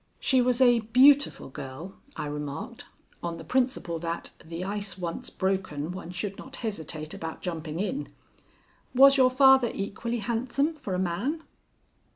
"She was a beautiful girl," I remarked, on the principle that, the ice once broken, one should not hesitate about jumping in. "Was your father equally handsome for a man?"